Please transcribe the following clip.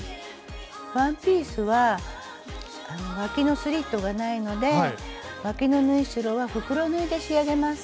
ワンピースはわきのスリットがないのでわきの縫い代は袋縫いで仕上げます。